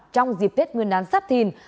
trong dịp tết nguyên đán giáp thìn